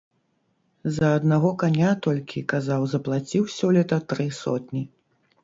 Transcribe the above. За аднаго каня толькі, казаў, заплаціў сёлета тры сотні.